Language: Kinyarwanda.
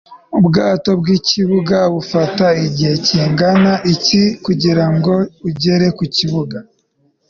ubwato bwikibuga bifata igihe kingana iki kugirango ugere kukibuga